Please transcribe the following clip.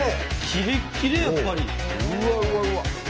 キレッキレやっぱり。